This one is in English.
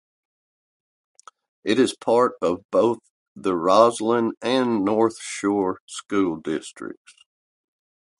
It is part of both the Roslyn and North Shore School Districts.